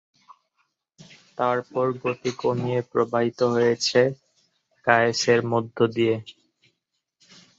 তারপর গতি কমিয়ে প্রবাহিত হয়েছে কায়েস এর মধ্যে দিয়ে।